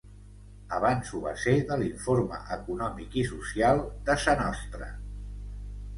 Abans ho va ser de l’Informe Econòmic i Social de Sa Nostra.